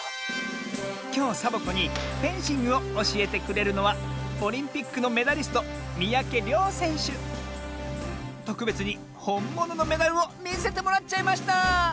きょうサボ子にフェンシングをおしえてくれるのはオリンピックのメダリストとくべつにほんもののメダルをみせてもらっちゃいました！